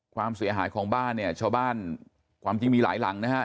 ความเสียหายของบ้านเนี่ยชาวบ้านความจริงมีหลายหลังนะฮะ